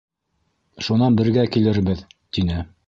Шунан бергә килербеҙ, — тине.